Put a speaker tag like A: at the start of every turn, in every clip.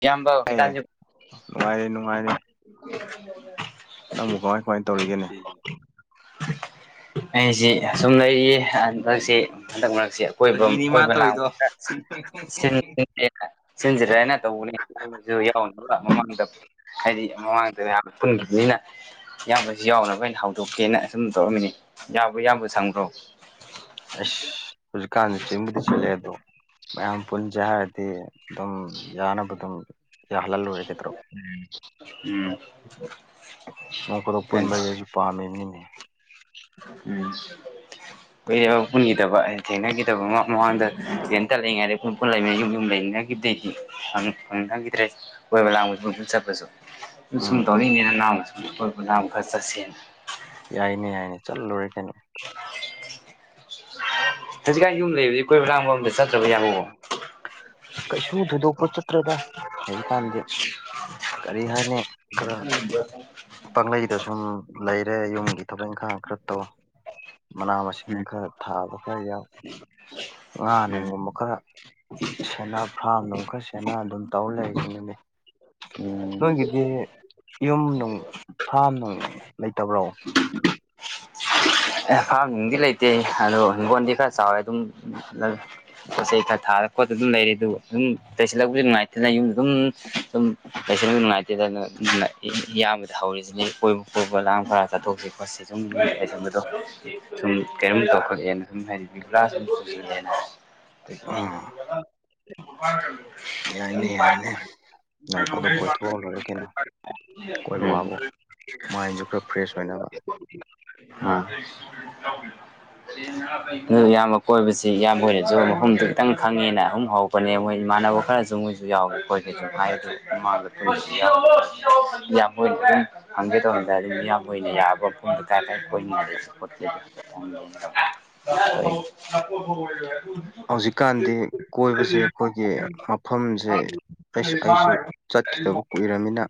A: ꯏꯌꯥꯝꯕ
B: ꯑꯦ
A: ꯍꯩꯀꯥꯟꯁꯨ [inaudible]
B: ꯅꯨꯡꯉꯥꯏꯔꯦ ꯅꯨꯡꯉꯥꯏꯔꯦ ꯅꯪꯕꯨ ꯀꯃꯥꯏ ꯀꯃꯥꯏꯅ ꯇꯧꯔꯤꯒꯦꯅꯦ
A: ꯑꯩꯁꯤ ꯑꯁꯨꯝ ꯂꯩꯔꯤꯌꯦ ꯍꯟꯗꯛꯁꯤ ꯍꯟꯗꯛ ꯃꯔꯛ ꯁꯤ ꯑꯀꯣꯏꯕꯝ
B: ꯐꯥꯒꯤꯅꯤ ꯃꯥ
A: ꯀꯣꯏꯕ ꯂꯥꯡꯕ
B: ꯇꯧꯔꯤꯗꯣ
A: ꯍꯦꯛꯇ [inaudible] ꯁꯤꯟꯖꯤꯔꯅ ꯇꯧꯕꯅꯦꯁꯨ ꯌꯥꯎ ꯃꯃꯥꯡꯗ ꯍꯥꯏꯗꯤ ꯃꯃꯥꯡꯗ ꯃꯌꯥꯝ ꯄꯨꯟꯈꯤꯕꯅꯤꯅ ꯏꯌꯥꯝꯕꯁꯨ ꯌꯥꯎꯅꯕ ꯑꯩꯅ ꯍꯧꯗꯣꯛꯀꯦꯅ ꯁꯨꯝ ꯇꯧꯔꯝꯃꯤꯅꯦ ꯌꯥꯝꯕꯨ ꯌꯥꯝꯕ ꯁꯪꯕ꯭ꯔꯣ
B: ꯑꯩꯁ ꯍꯨꯖꯤꯛꯀꯥꯟꯖꯦ ꯆꯤꯟꯕꯨꯗꯤ ꯆꯤꯜꯂꯦ ꯑꯗꯣ ꯃꯌꯥꯝ ꯄꯨꯟꯖꯦ ꯍꯥꯏꯔꯗꯤ ꯑꯗꯨꯝ ꯌꯥꯅꯕ ꯑꯗꯨꯝ ꯌꯥꯍꯜꯂ ꯂꯣꯏꯔꯦ ꯀꯩꯗꯧꯔꯒꯦ
A: ꯂꯧꯁꯤꯟꯕ
B: ꯅꯣꯡ ꯐꯥꯗꯣꯛ ꯄꯨꯟꯕꯁꯦ
A: ꯉꯝꯗꯕ
B: ꯑꯩꯁꯨ ꯄꯥꯝꯃꯤꯕꯅꯤꯅꯦ
A: ꯎꯝ ꯀꯨꯏꯔꯦꯕ ꯄꯨꯟꯒꯤꯗꯕ ꯍꯥꯏꯗꯤ ꯊꯦꯡꯅꯒꯤꯗꯕ ꯃꯃꯥꯡ ꯃꯃꯥꯡꯗ ꯊꯦꯡ ꯇꯦꯜ ꯂꯩꯉꯥꯏꯗ ꯄꯨꯟ ꯄꯨꯟ ꯂꯩꯩꯃꯤ ꯌꯨꯝ ꯌꯨꯝ ꯂꯩꯃꯤꯟꯅꯒꯤꯕꯗꯩꯗꯤ ꯐꯪ ꯐꯪꯅꯒꯤꯗ꯭ꯔꯦ ꯀꯣꯏꯕ ꯂꯥꯡꯕꯁꯨ ꯄꯨꯟ ꯄꯨꯟ ꯆꯠꯄꯁꯨ
B: ꯎꯝ
A: ꯂꯧꯁꯤꯟꯕ ꯉꯝꯗꯕ ꯀꯣꯏꯕ ꯂꯥꯡꯕ ꯈꯔ ꯆꯠꯁꯦꯅ
B: ꯌꯥꯏꯅꯦ ꯌꯥꯏꯅꯦ ꯆꯠꯂ ꯂꯣꯏꯔꯦ ꯀꯩꯅꯣ
A: ꯍꯧꯖꯤꯛꯀꯥꯟ ꯌꯨꯝ ꯂꯩꯕꯗꯩ ꯀꯣꯏꯕ ꯂꯥꯡꯕ ꯑꯝꯇ ꯆꯠꯇ꯭ꯔꯕꯣ ꯏꯌꯥꯝꯕꯕꯣ
B: ꯀꯩꯁꯨ ꯊꯣꯏꯗꯣꯛꯄ ꯆꯠꯇ꯭ꯔꯦꯗ ꯍꯧꯖꯤꯛꯀꯥꯟꯗꯤ ꯀꯔꯤ ꯍꯥꯏꯅꯤ
A: ꯂꯧꯁꯤꯟꯕ ꯉꯝꯗꯕ
B: ꯄꯪꯂꯩꯩꯗ ꯁꯨꯝ ꯂꯩꯔꯦ ꯌꯨꯝꯒꯤ ꯊꯕꯛ ꯏꯪꯈꯥꯡ ꯈꯔ ꯇꯧ ꯃꯅꯥ ꯃꯁꯤꯡ
A: ꯎꯝ
B: ꯈꯔ ꯊꯥꯕ ꯈꯔ ꯌꯥꯎ ꯉꯥ
A: ꯎꯝ
B: ꯅꯨꯡꯒꯨꯝꯕ ꯈꯔ ꯁꯦꯟꯅ ꯐ꯭ꯔꯥꯝ ꯅꯨꯡ ꯈꯔ ꯁꯦꯟꯅ ꯑꯗꯨꯝ ꯇꯧ ꯂꯩꯔꯤꯁꯤꯅꯤꯅꯦ
A: ꯎꯝ
B: ꯅꯣꯏꯒꯤꯗꯤ ꯌꯨꯝ ꯅꯨꯡ ꯐꯥꯝ ꯅꯨꯡ ꯂꯩꯇꯕ꯭ꯔꯣ
A: ꯑꯦ ꯐꯥꯝ ꯅꯨꯡꯗꯤ ꯂꯩꯇꯦ ꯑꯗꯣ ꯍꯤꯡꯒꯣꯜꯗꯤ ꯈꯔ ꯆꯥꯎꯋꯦ ꯑꯗꯨꯝ ꯄꯣꯠ ꯆꯩ ꯈꯔ ꯊꯥꯔ ꯈꯣꯠꯄ ꯑꯗꯨꯝ ꯂꯩꯔꯦ ꯑꯗꯨꯒ ꯑꯗꯨꯝ ꯇꯩꯁꯤꯜꯂꯛꯄꯁꯨ ꯅꯨꯡꯉꯥꯏꯇꯅ ꯌꯨꯝꯗ ꯑꯗꯨꯝ ꯑꯗꯨꯝ ꯂꯩꯁꯟꯕꯗꯨ ꯅꯨꯡꯉꯥꯏꯇꯦꯗꯅ ꯗꯨꯅ ꯏ ꯏꯌꯥꯝꯕꯗ ꯍꯧꯔꯤꯁꯤꯅꯤ ꯀꯣꯏꯕ ꯀꯣꯏꯕ ꯂꯥꯡꯕ ꯈꯔ ꯆꯠꯊꯣꯛꯁꯤ ꯕꯁꯁꯦ ꯁꯨꯝ ꯌꯨꯝ ꯂꯩꯁꯟꯕꯗꯣ ꯁꯨꯝ ꯀꯩꯅꯣꯝ ꯇꯧꯈꯠꯂꯛꯑꯦꯅ ꯁꯨꯝ ꯍꯥꯏꯗꯤ ꯕꯤꯕꯨꯂꯥ ꯁꯨꯝ ꯆꯨꯁꯤꯜꯂꯦꯅ
B: ꯎꯝ
A: ꯂꯧꯁꯤꯟꯕ
B: ꯌꯥꯏꯅꯦ
A: ꯉꯝꯗꯕ
B: ꯌꯥꯏꯅꯦ ꯅꯪ ꯑꯗꯨ
A: ꯂꯧꯁꯤꯟꯕ
B: ꯀꯣꯏꯊꯣꯛꯑ ꯂꯣꯏꯔꯦ ꯀꯩꯅꯣ
A: ꯉꯝꯗꯕ
B: ꯀꯣꯏꯕ ꯋꯥꯕꯨ
A: ꯂꯧꯁꯤꯟꯕ
B: ꯃꯥꯏꯟꯁꯨ ꯈꯔ ꯐ꯭ꯔꯦꯁ ꯑꯣꯏꯅꯕ
A: ꯉꯝꯗꯕ ꯑꯥ ꯂꯧꯁꯤꯟꯕ ꯉꯝꯗꯕ ꯑꯗꯨ ꯏꯌꯥꯝꯕ ꯀꯣꯏꯕꯁꯤ ꯏꯌꯥꯝꯕ ꯍꯣꯏꯅꯁꯨ ꯃꯐꯝꯗꯨ ꯈꯤꯇꯪ ꯈꯪꯉꯦꯅ ꯑꯍꯨꯝ ꯍꯧ ꯄꯅꯦ ꯃꯣꯏ ꯏꯃꯥꯟꯅꯕ ꯈꯔꯁꯨ ꯃꯣꯏꯁꯨ ꯌꯥꯎꯒꯦ ꯈꯣꯠꯀꯦ ꯑꯗꯨꯝ ꯍꯥꯏ ꯑꯗꯨ ꯃꯥꯒꯁꯨ ꯌꯥꯝ ꯃꯣꯏꯅ ꯑꯗꯨꯝ ꯍꯪꯒꯦ ꯇꯧꯔꯝꯗꯥꯏꯗ ꯑꯗꯨꯝ ꯍꯌꯥꯝꯕ ꯍꯣꯏꯅ ꯌꯥꯕ ꯃꯐꯝꯗꯤ ꯀꯥꯏ ꯀꯥꯏ ꯂꯧꯁꯤꯟꯕ ꯉꯝꯗꯕ
B: ꯍꯧꯖꯤꯛꯀꯥꯟꯗꯤ ꯀꯣꯏꯕꯖꯦ ꯑꯩꯈꯣꯏꯒꯤ ꯃꯐꯝꯖꯦ ꯑꯦꯁ ꯑꯩꯁꯨ
A: ꯍꯪꯒꯦꯅ
B: ꯆꯠꯈꯤꯗꯕ ꯀꯨꯏꯔꯃꯤꯅ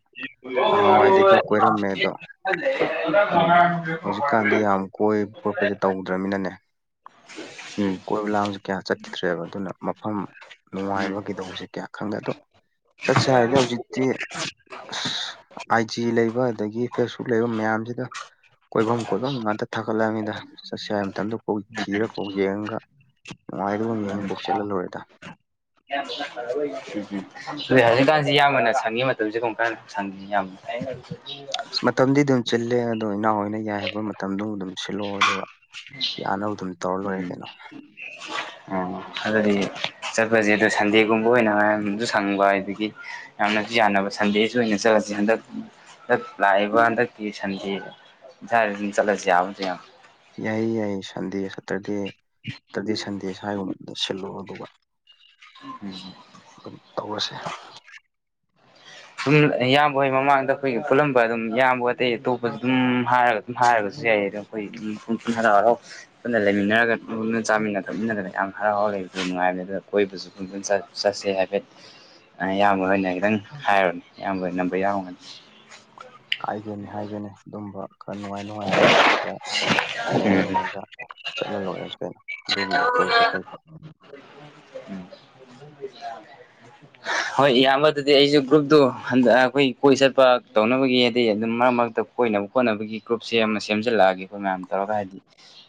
B: ꯅꯍꯥꯋꯥꯏꯗꯤ ꯈꯔ ꯀꯣꯏꯔꯝꯃꯦ ꯑꯗꯣ
A: ꯂꯧꯁꯤꯟꯕ ꯉꯝꯗꯕ
B: ꯍꯧꯖꯤꯛꯀꯥꯟꯗꯤ ꯌꯥꯝ ꯀꯣꯏꯕ ꯈꯣꯠꯄꯖꯦ ꯇꯧꯗ꯭ꯔꯃꯤꯅꯅꯦ
A: ꯎꯝ
B: ꯀꯣꯏꯕ ꯂꯥꯡꯁꯨ ꯀꯌꯥ ꯆꯠꯈꯤꯗ꯭ꯔꯦꯕ ꯑꯗꯨꯅ ꯃꯐꯝ ꯅꯨꯡꯉꯥꯏꯕ ꯀꯩꯗꯧꯕꯖꯦ ꯀꯌꯥ ꯈꯪꯗꯦ ꯑꯗꯣ ꯆꯠꯁꯦ ꯍꯥꯏꯗꯤ ꯍꯧꯖꯤꯛꯇꯤ ꯑꯁ ꯑꯥꯏꯖꯤ ꯂꯩꯕ ꯑꯗꯒꯤ ꯐꯦꯁꯕꯨꯛ ꯂꯩꯕ ꯃꯌꯥꯝꯁꯤꯗ ꯀꯣꯏꯐꯝ ꯀꯣꯏꯐꯝ ꯉꯥꯛꯇ ꯊꯥꯒꯠꯂꯛꯑꯅꯤꯗ ꯆꯠꯁ ꯍꯥꯏꯕ ꯃꯇꯝꯗ ꯀꯧꯏ ꯊꯤꯔ ꯀꯧꯏ ꯒ ꯅꯨꯡꯉꯥꯏꯗꯕ
A: ꯎꯝ
B: ꯌꯦꯡꯉ ꯀꯣꯛ ꯆꯠꯍꯜꯂꯣꯏꯔꯦꯗ
A: [inaudible] ꯑꯗꯨ ꯍꯧꯖꯤꯛꯀꯥꯟꯁꯤ ꯌꯥꯝꯕꯅ ꯁꯪꯒꯤ ꯃꯇꯝꯁꯦ ꯀꯃ ꯀꯥꯟꯗ ꯁ ꯌꯥꯝ
B: ꯃꯇꯝꯗꯤ ꯑꯗꯨꯝ ꯆꯜꯂꯦ ꯑꯗꯝ ꯏꯅꯥꯎꯏ ꯑꯣꯏꯅ ꯌꯥꯏ ꯍꯥꯏꯕ ꯃꯇꯝꯗꯨ ꯑꯗꯨꯝ ꯁꯤꯜꯂꯛꯑꯣ ꯑꯗꯨꯒ ꯌꯥꯅꯕ ꯑꯗꯨꯝ ꯇꯧꯔ ꯂꯣꯏꯔꯦ ꯀꯩꯅꯣ
A: ꯂꯧꯁꯤꯟꯕ ꯉꯝꯗꯕ ꯎꯝ ꯑꯗꯨꯗꯤ ꯆꯠꯄꯖꯦ ꯑꯗꯨ ꯁꯟꯗꯦꯒꯨꯝꯕ ꯑꯣꯏꯅ ꯃꯌꯥꯝꯖꯨ ꯁꯪꯕ ꯑꯗꯒꯤ ꯌꯥꯝꯅꯁꯨ ꯌꯥꯅꯕ ꯁꯟꯗꯦꯁꯨ ꯑꯣꯏꯅ ꯆꯠꯂꯁꯤ ꯍꯟꯗꯛ ꯍꯟꯗꯛ ꯂꯥꯛꯏꯕ ꯍꯟꯗꯛꯀꯤ ꯁꯟꯗꯦ ꯎꯝ ꯁꯥꯏꯗꯁꯨꯝ ꯆꯠꯂꯁꯤ ꯌꯥꯕ ꯅꯠꯇ꯭ꯔꯣ ꯏꯌꯥꯝꯕ
B: ꯌꯥꯏꯌꯦ ꯌꯥꯏꯌꯦ ꯁꯟꯗꯦ ꯁꯇꯔꯗꯦ ꯇ꯭ꯔꯗꯦ ꯁꯟꯗꯦ ꯁ꯭ꯋꯥꯏꯒꯨꯝꯕ ꯗ ꯁꯤꯜꯂꯣ ꯑꯗꯨꯒ
A: ꯎꯝ
B: ꯑꯗꯨꯝ ꯇꯧꯔꯁꯦ
A: ꯑꯗꯨꯝ ꯏꯌꯥꯝꯕ ꯍꯩ ꯃꯃꯥꯡꯗ ꯑꯩꯈꯣꯏꯒꯤ ꯄꯨꯜꯂꯝꯕ ꯑꯗꯨꯝ ꯏꯌꯥꯝꯕ ꯑꯇꯩ ꯑꯇꯣꯞꯄꯁꯨ ꯑꯗꯨꯝ ꯍꯥꯏꯔꯒ ꯑꯗꯨꯝ ꯍꯥꯏꯔꯒꯁꯨ ꯌꯥꯏ ꯑꯗꯨꯝ ꯑꯩꯅ ꯂꯥꯔꯣ ꯄꯨꯟꯅ ꯂꯩꯃꯤꯟꯅꯔꯒ ꯂꯅ ꯆꯥꯃꯤꯟꯅ ꯊꯛꯃꯤꯟꯅꯗꯕ ꯌꯥꯝ ꯍꯔꯥꯎ ꯍꯔ ꯂꯩꯕꯗꯨ ꯅꯨꯡꯉꯥꯏꯕꯅꯤ ꯑꯗꯨꯗ ꯀꯣꯏꯕꯁꯨ ꯈꯨꯝ ꯆ ꯆꯠꯁꯦ ꯍꯥꯏꯐꯦꯠ ꯑꯌꯥꯝꯕ ꯑꯣꯏꯅ ꯈꯤꯇꯪ ꯍꯥꯏꯔꯨꯔꯅꯦ ꯑꯌꯥꯝꯕ ꯑꯣꯏꯅ ꯅꯝꯕꯔ ꯌꯥꯎꯔꯝꯒꯅꯤ
B: ꯍꯥꯏꯒꯦꯅꯦ ꯍꯥꯏꯒꯦꯅꯦ ꯑꯗꯨꯝꯕ ꯈꯔ ꯅꯨꯡꯉꯥꯏ ꯅꯨꯡꯉꯥꯏ ꯈꯔ ꯌꯦꯡꯉ
A: ꯎꯝ
B: ꯌꯦꯡꯉꯒ ꯆꯠꯂ ꯂꯣꯏꯔꯦꯅ ꯀꯩꯅꯣ ꯑꯗꯨꯒꯤꯕꯨ ꯄꯣꯔꯁꯨ ꯀꯩꯀꯣ
A: ꯎꯝ ꯍꯣꯏ ꯏꯌꯥꯝꯕꯗꯗꯤ ꯑꯩꯁꯨ ꯒ꯭ꯔꯨꯞꯇꯨ ꯍꯟꯗ ꯑꯩꯈꯣꯏ ꯀꯣꯏ ꯆꯠꯄ ꯇꯧꯅꯕꯒꯤ ꯍꯥꯏꯗꯤ ꯑꯗꯨꯝ ꯃꯔꯛ ꯃꯔ ꯀꯣꯏꯅ ꯍꯣꯠꯅꯕꯒꯤ ꯒ꯭ꯔꯨꯞꯁꯦ ꯑꯃ ꯁꯦꯝꯖꯤꯜꯂꯛꯑꯒꯦ ꯑꯩꯈꯣꯏ ꯃꯌꯥꯝ ꯇꯧꯔꯒ ꯍꯥꯏꯗꯤ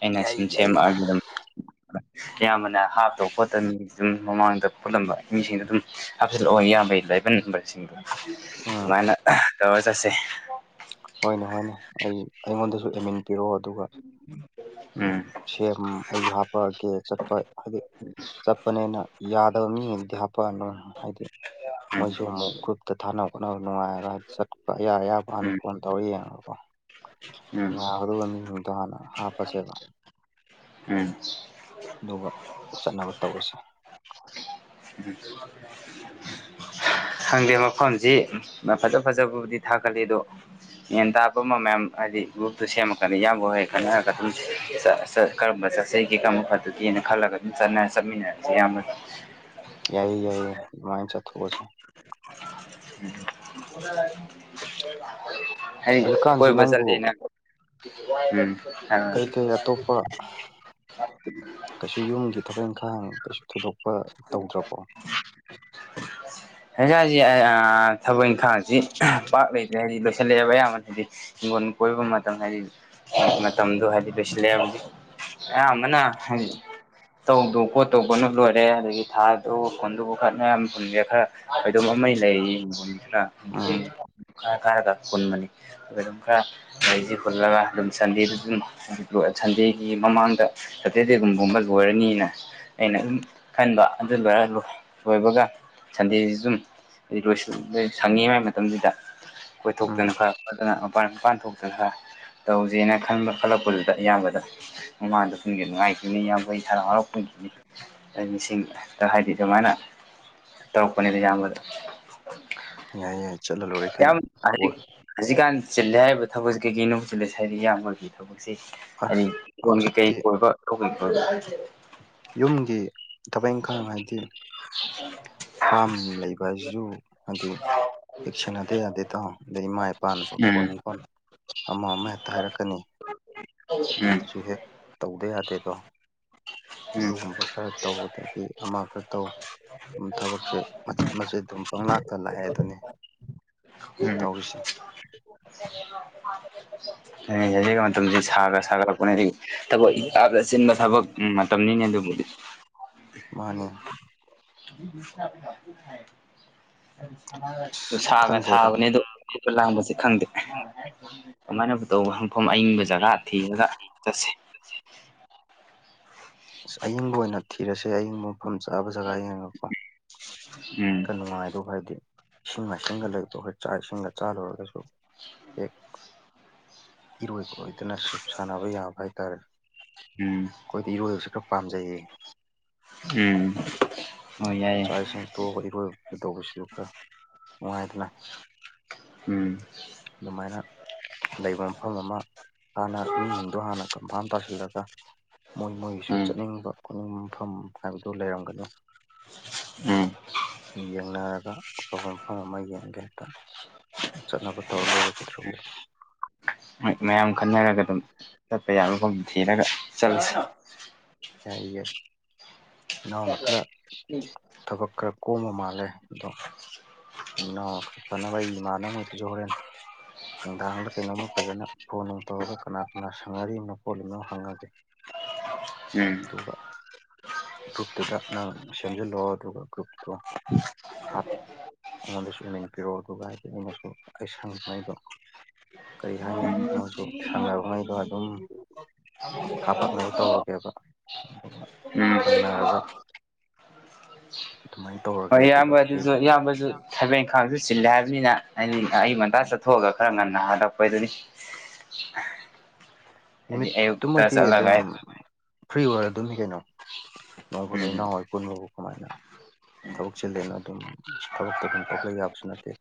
A: ꯑꯩꯅ
B: ꯌꯥꯏ
A: ꯁꯨꯝ
B: ꯌꯥꯏ
A: ꯁꯦꯝꯃꯛꯑꯒꯦ ꯑꯗꯨꯝ ꯀꯌꯥꯝꯕꯅ ꯍꯥꯞꯇꯕ ꯈꯣꯠꯇꯕꯅꯤ ꯑꯗꯨꯝ ꯃꯃꯥꯡꯗ ꯄꯨꯜꯂꯝꯕ ꯃꯤꯁꯤꯡꯗ ꯑꯗꯨꯝ ꯍꯥꯞꯆꯤꯜꯂꯛꯑꯣ ꯏꯌꯥꯝꯕꯒꯤ ꯂꯩꯕ ꯅꯝꯕꯔꯁꯤꯡꯗꯣ꯫
B: ꯎꯝ
A: ꯁꯨꯝꯃꯥꯏꯅ ꯑ ꯇꯧꯔ ꯆꯠꯁꯦ
B: ꯍꯣꯏꯅꯦ ꯍꯣꯏꯅꯦ ꯑꯩ ꯑꯩꯉꯣꯟꯗꯁꯨ ꯑꯦꯃꯤꯟ ꯄꯤꯔꯛꯑꯣ ꯑꯗꯨꯒ꯫
A: ꯎꯝ꯫
B: ꯁꯦꯝ ꯑꯩꯁꯨ ꯍꯥꯞꯄꯛꯑꯒꯦ ꯆꯠꯄ ꯍꯥꯏꯗꯤ꯫ ꯆꯠꯄꯅꯦꯅ ꯌꯥꯗꯕ ꯃꯤꯉꯩꯗꯤ ꯍꯥꯞꯄꯛꯑꯅꯨ ꯍꯥꯏꯗꯤ
A: ꯎꯝ
B: ꯃꯣꯏꯁꯨ ꯑꯃꯨꯛ ꯒ꯭ꯔꯨꯞ꯫ ꯑꯝ ꯊꯥꯅꯕ ꯈꯣꯠꯅꯕ ꯅꯨꯡꯉꯥꯏꯔ ꯆꯠꯄ ꯑꯌꯥ ꯑꯌꯥꯕ ꯍꯥꯟꯅ
A: ꯎꯝ
B: ꯐꯣꯟ ꯇꯧꯔꯒ ꯌꯦꯡꯉꯒꯀꯣ꯫
A: ꯎꯝ
B: ꯌꯥꯒꯗꯧꯕ ꯃꯤꯗꯨꯇ ꯍꯥꯟꯅ ꯍꯥꯞꯄꯁꯦꯕ
A: ꯎꯝ
B: ꯑꯗꯨꯒ ꯆꯠꯅꯕ ꯇꯧꯔꯁꯦ
A: ꯈꯪꯗꯦ ꯃꯐꯝꯁꯤ ꯃꯥ ꯐꯖ ꯐꯖꯕꯕꯨꯗꯤ ꯊꯥꯒꯠꯂꯤ ꯑꯗꯣ ꯒꯤꯌꯦꯟ ꯇꯥꯕ ꯑꯃ ꯃꯌꯥꯝ ꯍꯥꯏꯗꯤ ꯒ꯭ꯔꯨꯞꯇꯨ ꯁꯦꯝꯃꯀꯥꯟꯗ ꯏꯌꯥꯝꯕ ꯍꯣꯏ ꯈꯅꯔꯒ ꯑꯗꯨꯝ꯫ ꯀꯔꯝꯕ ꯆꯠꯁꯦꯒꯦ ꯀꯔꯝꯕ ꯐꯖꯒꯦꯅ ꯈꯜꯂꯒ ꯑꯗꯨꯝ ꯆꯠꯅ ꯆꯠꯃꯤꯟꯅꯔꯁꯦ ꯏꯌꯥꯝꯕ
B: ꯌꯥꯏꯌꯦ ꯌꯥꯏꯌꯦ ꯑꯗꯨꯃꯥꯏꯅ ꯆꯠꯊꯣꯛꯑꯁꯦ
A: [unintelligible] ꯑꯩ
B: ꯍꯧꯖꯤꯛꯀꯥꯟꯁꯦ
A: ꯀꯣꯕ
B: ꯅꯪꯕꯨ
A: ꯆꯠꯂꯦꯅ ꯎꯝ꯫
B: ꯀꯩꯀꯩ ꯑꯇꯣꯞꯄ
A: inaudible
B: ꯨ ꯌꯨꯝꯒꯤ ꯊꯕꯛ ꯏꯪꯈꯥꯡ ꯀꯩꯁꯨ ꯊꯣꯏꯗꯣꯛꯄ ꯇꯧꯗ꯭ꯔꯕꯣ꯫
A: [unintelligible] ꯊꯕꯛ ꯏꯪꯈꯥꯡꯁꯤ ꯄꯥꯛ ꯂꯩꯇ꯭ꯔꯦ ꯍꯥꯏꯗꯤ ꯂꯣꯏꯁꯤꯜꯂꯛꯑꯦꯕ ꯑꯌꯥꯝꯕꯅ ꯍꯥꯏꯗꯤ꯫ ꯍꯤꯡꯒꯣꯟ ꯀꯣꯏꯕ ꯃꯇꯝ ꯉꯥꯏꯔꯤ ꯃꯇꯝꯗꯣ ꯍꯥꯏꯗꯤ ꯂꯣꯏꯁꯤꯜꯂꯦ ꯍꯥꯏꯕꯗꯤ ꯑꯌꯥꯝꯕ ꯍꯥꯏꯔꯛꯑꯦ ꯇꯧꯗꯧ ꯈꯣꯠꯇꯧꯕꯅ ꯂꯣꯏꯔꯦ ꯑꯗꯨꯗꯒꯤ ꯊꯥꯗꯨ ꯈꯨꯟꯗꯨꯕꯨ ꯈꯠꯅ ꯌꯥꯝ ꯍꯨꯟꯒꯦ ꯈꯔ꯫ ꯀꯣꯏꯗꯣꯝ ꯑꯃ ꯂꯩ ꯌꯦꯡꯒꯣꯟ
B: ꯎꯝ
A: ꯈꯔ ꯈꯥꯔꯒ ꯍꯨꯟꯕꯅꯤ꯫ ꯑꯗꯨꯒ ꯑꯗꯨꯝ ꯈꯔ ꯂꯩꯁꯤ ꯍꯨꯜꯂꯒ ꯑꯗꯨꯝ ꯁꯟꯗꯦꯗ ꯑꯗꯨꯝ ꯁꯟꯗꯦꯒꯤ ꯃꯃꯥꯡꯗ꯫ ꯁꯇꯔꯗꯦꯒꯨꯝꯕꯨꯝꯕ ꯂꯣꯏꯔꯅꯤꯅ ꯑꯩꯅ ꯑꯗꯨꯝ ꯈꯟꯕ ꯑꯗꯨ ꯂꯣꯏꯔ ꯂꯣꯏꯕꯒ꯫ ꯁꯟꯗꯦꯁꯤꯁꯨ ꯑꯗꯨꯝ ꯂꯣꯏꯁꯨ ꯁꯪꯉꯤ ꯍꯥꯏꯒꯤ ꯃꯇꯝꯁꯤꯗ꯫ ꯀꯣꯏꯊꯣꯛꯇꯅ
B: ꯎꯝ
A: ꯈꯔ ꯐꯠꯇꯅ ꯃꯄꯥꯟ ꯃꯄꯥꯟ ꯊꯣꯛ꯫ ꯇꯧꯁꯦꯅ ꯈꯟꯕ ꯈꯜꯂꯛꯄꯗꯨꯗ ꯏꯌꯥꯝꯕꯗ ꯃꯃꯥꯗ ꯄꯨꯟꯒꯤ ꯅꯨꯡꯉꯥꯏꯈꯤꯅꯤ ꯌꯥꯝꯕꯩ ꯍꯔꯥꯎ ꯍꯔꯥꯎ ꯄꯨꯟꯈꯤꯅꯤ꯫ ꯃꯤꯁꯤꯡꯗ ꯍꯥꯏꯗꯤ ꯑꯗꯨꯃꯥꯏꯅ ꯇꯧꯔꯛꯄꯅꯦꯗ ꯏꯌꯥꯝꯕꯗ
B: ꯌꯥꯏ ꯌꯥꯏ ꯆꯠꯂ ꯂꯣꯔꯦ ꯀꯩꯅꯣ
A: ꯌꯥꯝ
B: ꯀꯣꯜ
A: ꯍꯧꯖꯤꯛ ꯍꯧꯖꯤꯛꯀꯥꯟ ꯆꯤꯜꯂꯦ ꯍꯥꯏꯔꯤꯕ ꯊꯕꯛꯁꯤ ꯀꯩꯀꯩꯅꯣꯕꯨ ꯆꯤꯜꯂꯦꯁ ꯍꯥꯏꯗꯤ ꯌꯥꯝꯕꯈꯤ ꯊꯕꯛꯁꯦ꯫
B: ꯑꯁ
A: ꯍꯥꯏꯗꯤ ꯏꯣꯟꯒꯤ ꯀꯩ
B: ꯍꯧꯖꯤꯛꯇꯤ
A: ꯀꯣꯏꯕ ꯀꯕ
B: ꯌꯨꯝꯒꯤ ꯊꯕꯛ ꯏꯪꯈꯥꯡ ꯍꯥꯏꯗꯤ꯫
A: [inaudible]
B: ꯐꯥꯝ ꯂꯩꯕ ꯍꯥꯏꯁꯤꯁꯨ ꯍꯥꯏꯗꯤ꯫ ꯑꯦꯛ ꯁꯦꯟꯅꯗ ꯌꯥꯗꯦꯗ ꯑꯗꯩ ꯏꯃꯥ ꯏꯄꯥꯅ
A: ꯎꯝ
B: ꯄꯥꯈꯣꯟ ꯅꯨꯡꯈꯣꯟ ꯑꯃ ꯑꯃ ꯍꯦꯛꯇ ꯍꯥꯏꯔꯛꯀꯅꯤ
A: ꯎꯝ
B: ꯑꯗꯨꯁꯨ ꯍꯦꯛ ꯇꯧꯗ ꯌꯥꯗꯦꯗꯣ
A: ꯎꯝ
B: ꯑꯗꯨꯒꯨꯝꯕ ꯈꯔ꯫ ꯇꯧꯕꯗꯒꯤ ꯑꯃ ꯈꯔ ꯇꯧ꯫ ꯊꯕꯛꯁꯦ ꯃꯆꯦꯠ ꯃꯆꯦꯠ ꯑꯗꯨꯝ ꯄꯪꯂꯥꯛꯇ ꯂꯥꯛꯑꯦ ꯑꯗꯨꯅꯤ
A: ꯎꯝ
B: ꯇꯧꯔꯤꯁꯦ
A: [inaudible] ꯊꯕꯛ ꯏꯥꯞꯗ ꯆꯤꯟꯕ ꯊꯕꯛ ꯃꯇꯝꯅꯤꯅꯦ ꯑꯗꯨꯕꯨꯗꯤ
B: ꯃꯥꯅꯦ
A: [inaudible]
B: ꯑꯁ
A: ꯅꯨꯡꯁꯥꯒ
B: ꯈꯪꯗ꯭ꯔꯦꯗ
A: ꯁꯥꯕꯅꯦ ꯑꯗꯣ ꯀꯣꯏꯕ ꯂꯥꯡꯕꯁꯦ ꯈꯪꯗꯦ ꯀꯃꯥꯏꯅꯕꯨ ꯇꯧꯕ ꯃꯐꯝ ꯑꯏꯪꯕ ꯖꯒꯥ ꯊꯤꯔꯒ ꯆꯠꯁꯦ
B: ꯑꯁ ꯑꯌꯤꯡꯕ ꯑꯣꯏꯅ ꯊꯤꯔꯁꯦ ꯑꯌꯤꯡꯕ ꯃꯐꯝ ꯆꯥꯕ ꯖꯒꯥ ꯌꯦꯡꯉꯒꯀꯣ
A: ꯎꯝ
B: ꯈꯔ ꯅꯨꯡꯉꯥꯏꯗꯧꯕ ꯍꯥꯏꯗꯤ ꯏꯁꯤꯡ ꯃꯥꯏꯁꯤꯡꯒ ꯂꯩꯕꯗꯣ ꯑꯩꯈꯣꯏ ꯆꯥꯛ ꯏꯁꯤꯡꯒ ꯆꯥ ꯂꯣꯏꯔꯒꯁꯨ ꯍꯦꯛ
A: [unintelligible]
B: ꯏꯔꯣꯏ ꯈꯔꯣꯏꯗꯅ ꯁꯨꯞ ꯁꯥꯟꯅꯕ ꯌꯥꯕ ꯍꯥꯏꯇꯥꯔꯦ꯫
A: ꯎꯝ
B: ꯑꯩꯈꯣꯏꯗꯤ ꯏꯔꯣꯏꯕꯁꯨ ꯈꯔ ꯄꯥꯝꯖꯩꯌꯦ
A: ꯎꯝ ꯍꯣꯏ ꯌꯥꯏꯌꯦ
B: ꯆꯥꯛ ꯏꯁꯤꯡ ꯇꯣꯛꯑꯕꯣ ꯏꯔꯣꯏ꯫ ꯑꯗꯨ ꯇꯧꯕꯁꯤꯁꯨ ꯈꯔ ꯅꯨꯡꯉꯥꯏꯗꯅ꯫
A: ꯎꯝ
B: ꯑꯗꯨꯃꯥꯏꯅ ꯂꯩꯕ ꯃꯐꯝ ꯑꯃ꯫ ꯍꯥꯟꯅ ꯃꯤꯁꯤꯡꯗꯣ ꯍꯥꯟꯅ ꯀꯝꯐꯥꯟ ꯇꯥꯁꯤꯜꯂꯒ ꯃꯣꯏ ꯃꯣꯏꯒꯤꯁꯨ
A: ꯎꯝ
B: ꯆꯠꯅꯤꯡꯕ꯫ ꯈꯨꯅꯤꯡ ꯃꯐꯝ ꯍꯥꯏꯕꯗꯨ ꯂꯩꯔꯝꯒꯅꯤ
A: ꯎꯝ
B: ꯌꯦꯡꯅꯔꯒ꯫ ꯑꯐꯕ ꯃꯐꯝ ꯑꯃ ꯌꯦꯡꯒꯦ ꯍꯦꯛꯇ ꯆꯠꯅꯕ ꯇꯧꯔ ꯂꯣꯏꯔꯦ ꯀꯩꯗ꯭ꯔꯣꯔꯒꯦ
A: ꯍꯣꯏ ꯃꯌꯥꯝ ꯈꯟꯅꯔꯒ ꯑꯗꯨꯝ ꯆꯠꯄ ꯌꯥꯕ ꯃꯐꯝ ꯊꯤꯔꯒ ꯆꯠꯂꯁꯤ
B: ꯌꯥꯌꯦ ꯏꯅꯥꯎꯅ ꯈꯔ ꯊꯕꯛ ꯈꯔ ꯀꯣꯝꯕ ꯃꯥꯜꯂꯦ ꯑꯗꯣ꯫ ꯅꯣ ꯐꯅꯅꯕ ꯑꯩ ꯏꯝꯃꯥꯟꯅꯕꯒ ꯊꯤꯡꯗꯣꯛꯈ꯭ꯔꯦ ꯅꯨꯡꯗꯥꯡꯗ ꯀꯩꯅꯣꯝꯃ ꯐꯖꯅ ꯐꯣ ꯅꯨꯡ ꯇꯧꯔꯒ ꯀꯅꯥ ꯀꯅꯥ ꯁꯪꯅꯔꯤꯅꯣ ꯈꯣꯠꯂꯤꯅꯣ ꯍꯪꯉꯒꯦ꯫
A: [unintelligible] ꯎꯝ
B: ꯑꯗꯨꯒ ꯒ꯭ꯔꯨꯞꯇꯨꯗ ꯅꯪ ꯁꯦꯝꯖꯤꯜꯂꯛꯑꯣ ꯑꯗꯨꯒ ꯒ꯭ꯔꯨꯞꯇꯣ꯫ ꯍꯥꯞ ꯑꯩꯉꯣꯟꯗꯁꯨ ꯏꯃꯦꯟ ꯄꯤꯔꯛꯑꯣ ꯑꯗꯨꯒ ꯍꯥꯏꯗꯤ ꯑꯩꯅꯁꯨ ꯑꯩ ꯁꯪꯕꯉ ꯑꯩꯗꯣ ꯀꯔꯤ ꯍꯥꯏꯅꯤ ꯃꯣꯏꯁꯨ ꯁꯥꯟꯅꯕꯉꯩꯗꯣ ꯑꯗꯨꯝ
A: ꯎꯝ
B: [unintelligible] ꯑꯗꯨꯃꯥꯏ꯫
A: ꯍꯣꯏ ꯏꯌꯥꯝꯕ ꯑꯗꯨꯁꯨ ꯏꯌꯥꯝꯕꯁꯨ꯫ ꯊꯕꯛ ꯏꯪꯈꯥꯡꯁꯨ ꯆꯤꯜꯂꯦ ꯍꯥꯏꯕꯅꯤꯅ ꯑꯩ ꯑꯌꯨꯛ ꯉꯟꯇꯥ ꯆꯠꯊꯣꯛꯑꯒ ꯈꯔ ꯉꯟꯅ ꯍꯥꯜꯂꯛꯄ ꯍꯥꯏꯑꯗꯨꯅꯤ ꯍꯥꯏꯗꯤ ꯑꯌꯨꯛꯇ
B: ꯅꯨꯃꯤꯠꯇꯨꯃꯗꯤ
A: ꯆꯠꯂꯒ
B: ꯑꯗꯨꯝ ꯐ꯭ꯔꯤ ꯑꯣꯏꯔꯗꯨꯝꯅꯤ ꯀꯩꯅꯣ ꯅꯣꯡ ꯐꯥꯗꯣꯛ
A: ꯎꯝ
B: ꯏꯅꯥꯎ ꯍꯣꯏ ꯀꯣꯟꯃꯕꯨ ꯀꯃꯥꯏꯅ ꯊꯕꯛ ꯆꯤꯜꯂꯦꯅ ꯑꯗꯨꯝ ꯊꯕꯛꯇꯣ ꯑꯗꯨꯝ ꯇꯣꯛꯂ ꯌꯥꯕꯁꯨ ꯅꯠꯇꯦ꯫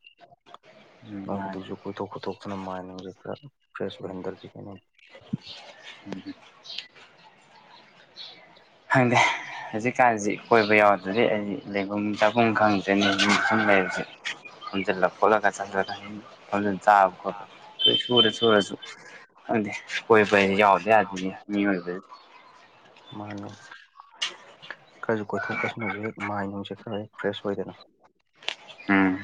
A: ꯎꯝ ꯃꯥꯅꯤ
B: ꯅꯣꯡꯗꯨꯁꯨ ꯀꯣꯏꯊꯣꯛ ꯈꯣꯏꯠꯇꯣꯛꯇꯨꯅ ꯃꯥꯏꯅꯤꯡꯁꯦ ꯈꯔ ꯐ꯭ꯔꯦꯁ ꯑꯣꯏꯍꯟꯗ꯭ꯔꯗꯤ ꯀꯩꯅꯣ꯫
A: ꯎꯝ꯫ ꯈꯪꯗꯦ ꯍꯧꯖꯤꯛꯀꯥꯟꯁꯤ ꯀꯣꯏꯕ ꯌꯥꯎꯗ꯭ꯔꯗꯤ ꯑꯩ ꯂꯩꯐꯝ ꯆꯥꯐꯝꯐꯝ ꯈꯪꯗꯦ꯫꯫ [unintelligible] ꯆꯥꯕ ꯈꯣꯠꯄ ꯁꯨꯔ ꯁꯨꯔꯁꯨ꯫ [unintelligible] ꯁꯣꯏꯕ ꯍꯥꯏꯁꯤ ꯌꯥꯎꯗ ꯌꯥꯗꯦ ꯃꯤ ꯑꯣꯏꯕꯁꯤ꯫
B: ꯃꯥꯅꯤ꯫ ꯈꯔꯁꯨ ꯀꯣꯏꯊꯣꯛꯄꯁꯤꯅꯁꯨ ꯍꯦꯛ ꯃꯥꯏꯟꯅꯨꯡꯁꯦ ꯈꯔ ꯍꯦꯛ ꯐ꯭ꯔꯦꯁ ꯑꯣꯏꯗꯅ
A: ꯎꯝ꯫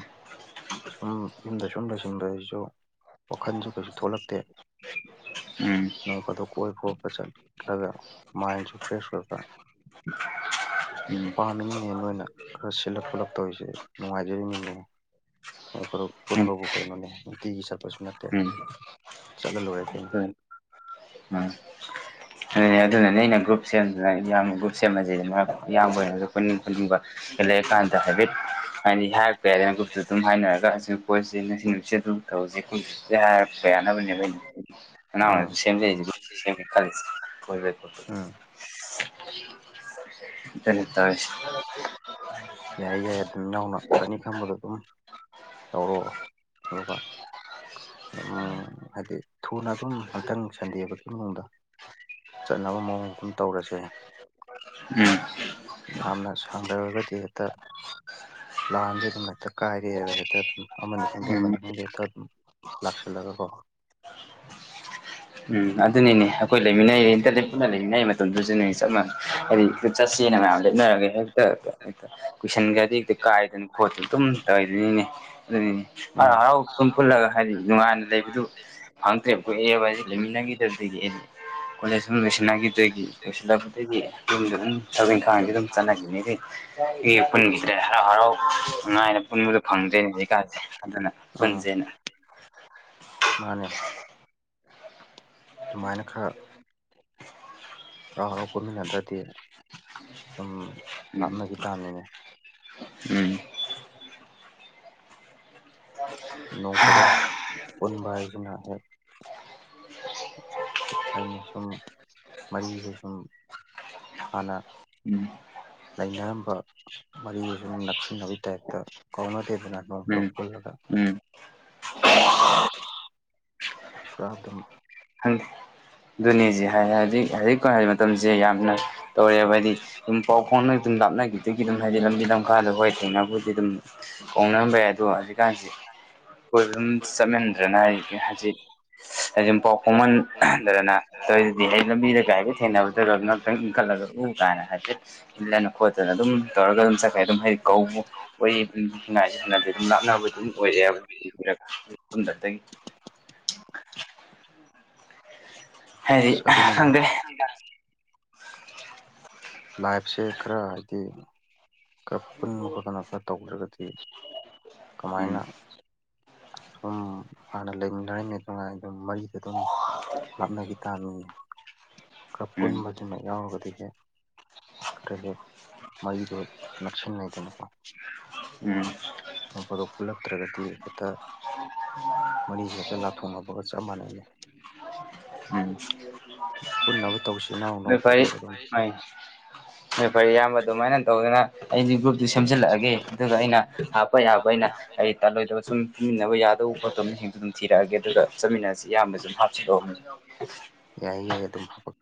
B: ꯁꯨꯝ ꯌꯨꯝꯗ ꯁꯨꯝ ꯂꯣꯏꯁꯤꯟꯕꯁꯤꯁꯨ ꯋꯥꯈꯟꯁꯨ ꯀꯩꯁꯨ ꯊꯣꯛꯂꯛꯇꯦ
A: ꯎꯝ
B: [unintelligible] ꯀꯣꯏꯕ ꯈꯣꯠꯄ ꯆꯠꯂꯒ ꯃꯥꯏꯟꯁꯨ ꯐ꯭ꯔꯦꯁ ꯑꯣꯏꯕ꯫
A: ꯎꯝ
B: ꯄꯥꯝꯃꯤꯅꯤꯅꯦ ꯅꯣꯏꯅ ꯈꯔ ꯁꯤꯜꯂꯞ ꯈꯣꯠꯂꯞ ꯇꯧꯔꯤꯁꯦ ꯅꯨꯡꯉꯥꯏꯖꯔꯤꯅꯤꯅꯦ ꯗꯛ ꯄꯨꯟꯕꯕꯨ ꯀꯩꯅꯣꯅꯦ ꯅꯨꯡꯇꯤꯒꯤ ꯆꯠꯄꯁꯨ ꯅꯠꯇꯦ
A: ꯎꯝ ꯎꯝ
B: ꯆꯠꯂ ꯂꯣꯏꯔꯦ ꯀꯩꯅꯣ꯫
A: ꯎꯝ꯫ ꯑꯗꯨꯅꯦ ꯑꯗꯨꯅꯅꯦ ꯑꯩꯅ ꯒ꯭ꯔꯨꯞ ꯁꯦꯝꯁꯤꯅ ꯏꯌꯥꯝꯕ ꯒ꯭ꯔꯨꯞ ꯁꯦꯝꯃꯁꯦꯅ ꯑꯗꯨꯝ ꯍꯥꯏꯕꯗꯣ ꯏꯌꯥꯝꯕ ꯍꯣꯏꯔꯒꯁꯨ ꯄꯨꯟꯅꯤꯡ ꯑꯗꯨꯒ ꯂꯩꯔꯀꯥꯟꯗ ꯍꯥꯏꯐꯦꯠ ꯍꯥꯏꯗꯤ ꯍꯥꯏꯔꯛꯄ ꯌꯥꯏꯗꯅ ꯒ꯭ꯔꯨꯞꯇ ꯑꯗꯨꯝ ꯍꯥꯏꯅꯔꯒ ꯁꯨꯝ ꯑꯩꯈꯣꯏꯁꯦ ꯅꯁꯤꯡ ꯅꯨꯃꯤꯠ ꯑꯗꯨꯝ ꯇꯧꯔꯤꯁꯤ ꯈꯠꯁꯦ ꯍꯥꯏꯔꯛꯄ ꯌꯥꯅꯕꯅꯦꯕ꯫ ꯑꯉꯥꯡ
B: ꯎꯝ
A: ꯑꯣꯏꯔꯁꯨ ꯁꯦꯝꯖꯩꯁꯤꯕꯨ ꯁꯦꯝꯒꯦ ꯈꯥꯜꯂꯤꯁꯤ ꯀꯣꯏꯕꯩ ꯐꯣꯇꯣꯗꯨ꯫
B: ꯎꯝ
A: inaudible
B: ꯌꯥꯏ ꯌꯥꯏ ꯑꯗꯨꯝ ꯏꯅꯥꯎꯅ ꯐꯅꯤ ꯈꯟꯕꯗꯣ ꯑꯗꯨꯝ ꯇꯧꯔꯣ ꯑꯗꯨꯒ ꯎꯝ ꯍꯥꯏꯗꯤ ꯊꯨꯅ ꯑꯗꯨꯝ ꯍꯟꯇꯪ ꯁꯟꯗꯦꯕꯒꯤ ꯃꯅꯨꯡꯗ ꯆꯠꯅꯕ ꯃꯑꯣꯡ ꯑꯗꯨꯝ ꯇꯧꯔꯁꯦ꯫
A: ꯎꯝ
B: ꯌꯥꯝꯅ ꯁꯥꯡꯊꯔꯒꯗꯤ ꯍꯦꯛꯇ ꯂꯥꯟꯁꯨꯦ ꯑꯗꯨꯝ ꯍꯦꯛꯇ ꯀꯥꯏꯔꯛꯦꯕ ꯍꯦꯛꯇ ꯑꯗꯨꯝ ꯑꯃꯅꯤ ꯈꯪꯗꯦ
A: ꯎꯝ
B: ꯑꯃꯅꯤ ꯈꯪꯗꯦ ꯍꯦꯛꯇ ꯑꯗꯨꯝ ꯂꯥꯛꯆꯜꯂꯒꯀꯣ
A: ꯎꯝ ꯑꯗꯨꯅꯤꯅꯦ ꯑꯩꯈꯣꯏ ꯂꯩꯃꯤꯟꯅꯩꯦ ꯏꯟꯇꯔ ꯄꯨꯟꯅ ꯂꯩꯃꯤꯟꯅꯩ ꯃꯇꯝꯗꯨꯁꯨꯅꯦ ꯆꯞ ꯃꯥꯟꯅꯩ ꯍꯥꯏꯗꯤ ꯆꯠꯁꯦꯅ ꯃꯌꯥꯝ ꯂꯦꯞꯅꯔꯒꯦ ꯍꯦꯛꯇꯦꯛꯇ ꯀꯨꯏꯁꯟꯒꯗꯤ ꯍꯦꯛꯇ ꯀꯥꯏꯗꯅ ꯈꯣꯠꯇꯅ ꯑꯗꯨꯝ ꯇꯧꯔꯤꯗꯣꯏꯅꯤꯅꯦ ꯑꯗꯨ
B: ꯎꯝ
A: ꯍꯔꯥꯎ ꯍꯔꯥꯎ ꯁꯨꯝ ꯄꯨꯜꯂꯒ ꯍꯥꯏꯗꯤ ꯅꯨꯡꯉꯥꯏꯅ ꯂꯩꯕꯗꯨ ꯐꯪꯗ꯭ꯔꯦꯕ ꯀꯨꯣꯛꯑꯦꯕ ꯍꯥꯏꯁ ꯂꯩꯃꯤ ꯒꯤꯗꯁꯤꯒꯤꯗꯤ ꯀꯣꯂꯦꯖ ꯑꯗꯨ ꯂꯣꯏꯁꯤꯟꯅꯈꯤꯗꯒꯤ ꯂꯣꯏꯁꯤꯜꯂꯛꯄꯗꯒꯤ ꯌꯨꯝꯗ ꯑꯗꯨꯝ ꯊꯕꯛ ꯏꯪꯈꯥꯡꯁ ꯑꯗꯨꯝ ꯆꯠꯅꯈꯤꯅꯤ ꯑꯩ ꯑꯩ ꯄꯨꯟꯈꯤꯗ꯭ꯔꯦ ꯍꯔꯥꯎ ꯍꯔꯥꯎ ꯅꯨꯡꯉꯥꯏꯅ ꯄꯨꯟꯕꯗꯣ ꯐꯪꯗ꯭ꯔꯣꯏꯅꯦ ꯁꯤꯀꯥꯟꯥꯁꯦ ꯑꯗꯨꯅ
B: ꯎꯝ
A: ꯄꯨꯟꯁꯦꯅ [unintelligible]
B: ꯃꯥꯅꯦ ꯑꯗꯨꯃꯥꯏꯅ ꯈꯔ ꯍꯔꯥꯎ ꯍꯔꯥꯎ ꯄꯨꯟꯃꯤꯟꯅꯗ꯭ꯔꯗꯤ ꯁꯨꯝ
A: ꯎꯝ
B: ꯂꯥꯞꯅꯈꯤ ꯇꯥꯕꯅꯤꯅꯦ
A: ꯎꯝ
B: ꯅꯣꯡ ꯇꯔꯨꯛ ꯄꯨꯟꯕ ꯍꯥꯏꯁꯤꯅ ꯍꯦꯛ ꯩꯅ ꯁꯨꯝ ꯃꯔꯤꯁꯦ ꯁꯨꯝ ꯑꯂ
A: ꯎꯝ
B: ꯂꯩꯅꯔꯝꯕ ꯃꯔꯤꯁꯦ ꯁꯨꯝ ꯅꯛꯁꯤꯟꯅꯕꯒꯤ ꯇꯥꯏꯞꯇ ꯀꯥꯎꯅꯗꯦꯗꯅ
A: ꯎꯝ ꯎꯝ
B: [unintelligible]
A: ꯍꯪ ꯑꯗꯨꯅꯤꯁꯦ ꯍꯥꯏ ꯍꯥꯏꯗꯤ ꯍꯧꯖꯤꯛꯀ ꯍꯥꯏ ꯃꯇꯝꯁꯦ ꯌꯥꯝꯅ ꯇꯧꯔꯦꯕ ꯍꯥꯏꯗꯤ ꯄꯥꯎ ꯐꯧꯅꯩ ꯑꯗꯨꯝ ꯂꯥꯛꯅ ꯑꯗꯨꯒꯤ ꯑꯗꯨꯝ ꯍꯥꯏꯗꯤ ꯂꯝꯕꯤ ꯂꯝꯈꯥꯗ ꯍꯈꯣꯏ ꯊꯦꯡꯅꯕꯕꯨꯗꯤ ꯑꯗꯨꯝ ꯍꯣꯡꯅꯔꯝꯕ ꯌꯥꯏ ꯑꯗꯣ ꯍꯧꯖꯤꯛꯀꯥꯟꯁꯤ ꯀꯣꯏꯕ ꯑꯗꯨꯝ ꯆꯠꯃꯟꯗ꯭ꯔꯅ ꯑꯩ ꯍꯧꯖꯤꯛ ꯑꯩꯗꯤ ꯄꯥꯎ ꯐꯥꯎꯃꯟ ꯇꯧꯔꯗꯤ ꯑꯩ ꯂꯝꯕꯤꯗ ꯀꯥꯏꯒ ꯊꯦꯡꯅꯕꯗꯧꯔ ꯉꯍꯥꯛꯛꯇꯪ ꯏꯟꯈꯠꯂꯒ ꯎ ꯀꯥꯏꯅ ꯍꯥꯏꯐꯦꯠ ꯏꯜꯂꯅ ꯈꯣꯠꯇꯅ ꯑꯗꯨꯝ ꯇꯧꯔꯒ ꯑꯗꯨꯝ ꯆꯠꯈꯩ ꯑꯗꯨꯝ ꯍꯥꯏꯗꯤ ꯀꯧꯕ ꯑꯣꯏ ꯉꯥꯏꯁꯦ ꯁꯥꯟꯅꯗꯤꯦ ꯑꯗꯨꯝ ꯂꯥꯞꯅꯕ ꯑꯗꯨꯝ [unintelligible] ꯍꯥꯏꯗꯤ
B: ꯑꯗꯨꯅꯤꯅꯦ
A: ꯈꯪꯗꯦ
B: ꯂꯥꯏꯐꯁꯦ ꯈꯔ ꯍꯥꯏꯗꯤ ꯈꯔ ꯄꯨꯟꯕ ꯈꯣꯠꯇꯅ ꯈꯔ ꯇꯧꯗ꯭ꯔꯒꯗꯤ
A: ꯎꯝ
B: ꯀꯃꯥꯏꯅ ꯁꯨꯝ ꯍꯥꯟꯅ ꯂꯩ ꯑꯗꯨꯝ ꯃꯔꯤꯗ ꯑꯗꯨꯝ ꯂꯥꯞꯅꯈꯤ ꯇꯥꯅꯤꯡꯉ
A: ꯎꯝ
B: ꯀꯄꯨꯅꯚꯖꯅ ꯌꯥꯎꯒꯗꯤ ꯍ ꯀꯔꯍꯤꯦ ꯃꯩꯗꯦ ꯅꯛꯁꯤꯟꯉꯩ ꯀꯅꯄꯥꯣ
A: ꯎꯝ
B: ꯄꯗꯣ ꯄꯨꯜꯂꯛꯇ꯭ꯔꯒꯗꯤ ꯍꯦꯛꯇ ꯃꯔꯤ ꯍꯦꯛꯇ ꯂꯥꯊꯣꯛꯅꯕꯒ ꯆꯞ ꯃꯥꯟꯅꯩꯩ
A: ꯎꯝ
B: ꯄꯨꯟꯅꯕ ꯇꯧꯁꯤꯅꯣ
A: ꯅꯣꯏ ꯐꯔꯤ ꯍ ꯅꯣꯏ ꯐꯔꯤ ꯑꯌꯥꯝꯕ ꯑꯗꯨꯃꯥꯏꯅ ꯇꯧꯗꯅ ꯑꯩꯗꯤ ꯒ꯭ꯔꯨꯞꯇꯨ ꯁꯦꯝꯖꯤꯜꯂꯛꯑꯒꯦ ꯑꯗꯨꯒ ꯑꯩꯅ ꯍꯥꯞꯄ ꯌꯥꯕ ꯑꯩꯅ ꯑꯩ ꯇꯜꯂꯣꯏꯗꯕ ꯁꯨꯝ ꯐꯟꯃꯤꯟꯅꯕ ꯌꯥꯗꯕ ꯄꯣꯠꯇꯣ ꯑꯃ ꯍꯦꯛꯇ ꯑꯗꯨꯝ ꯊꯤꯔꯛꯑꯒꯦ ꯑꯗꯨꯒ ꯆꯠꯃꯤꯟꯅꯔꯁꯤ ꯑꯌꯥꯝꯕꯁꯨ ꯑꯗꯨꯝ ꯍꯥꯞꯆꯤꯜꯂꯛꯑꯣ
B: ꯌꯥꯏ ꯌꯥꯏ ꯑꯗꯨꯝ ꯍꯞꯄꯛ